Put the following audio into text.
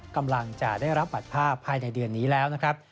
กำลังจะได้รับบัตรภาพภายในเดือนนี้แล้วนะครับ